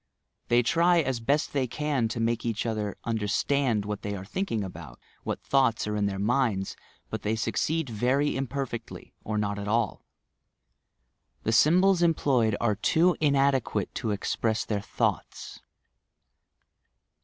They try as best they can to make each other understand what they are thinking about, what thoughts are in their minds, but they succeed very imperfectly, or not at all ! The symbols employed are too inadequate to express their thoughts.